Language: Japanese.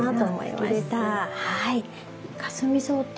はい。